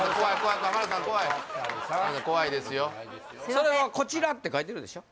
「それはこちら」と書いてるでしょ